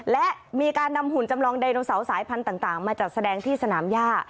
และมีการนำหุ่นจำลองไดโนเสาร์สายพันธุ์ต่างมาจัดแสดงที่สนามย่า